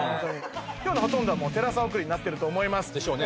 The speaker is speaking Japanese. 今日のほとんどはもうテラサ送りになってると思います。でしょうね。